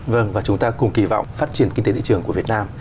vâng và chúng ta cùng kỳ vọng phát triển kinh tế thị trường của việt nam